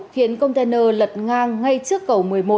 khiến container lật ngang ngay trước cầu một mươi một